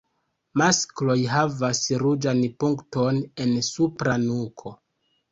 Maskloj havas ruĝan punkton en supra nuko.